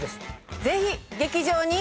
ぜひ劇場に。